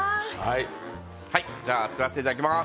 では作らせていただきます。